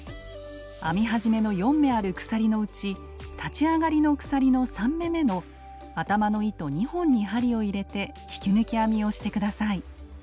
編み始めの４目ある鎖のうち立ち上がりの鎖の３目めの頭の糸２本に針を入れて引き抜き編みをして下さい。